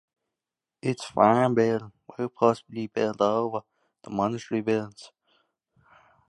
Its farm buildings were possibly built over the monastery buildings.